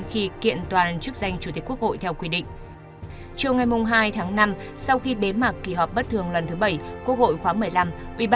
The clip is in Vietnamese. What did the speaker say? xin chào và hẹn gặp lại